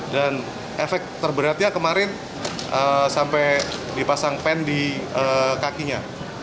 dan efek terberatnya kemarin sampai dipasang pen di kakinya